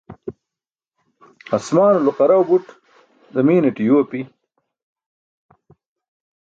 asmaanulo qarau buṭ zamiinaṭe yuu api